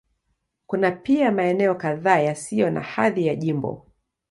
Kuna pia maeneo kadhaa yasiyo na hadhi ya jimbo.